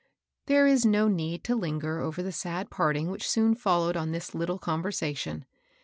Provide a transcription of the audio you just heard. There is no need to linger over the sad part ing which soon followed on this little conversation.